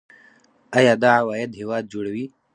آیا دا عواید هیواد جوړوي؟